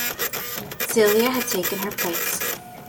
Celia had taken her place.